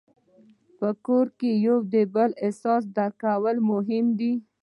په کور کې د یو بل احساس درک کول مهم دي.